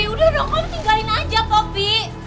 udah dong kamu tinggalin aja poppy